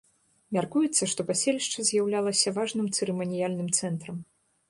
Мяркуецца, што паселішча з'яўлялася важным цырыманіяльным цэнтрам.